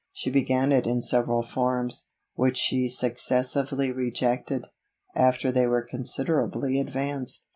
She began it in several forms, which she successively rejected, after they were considerably advanced.